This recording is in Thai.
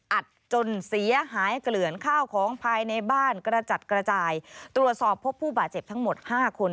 อัดจนเสียหายเกลื่อนข้าวของภายในบ้านกระจัดกระจายตรวจสอบพบผู้บาดเจ็บทั้งหมดห้าคน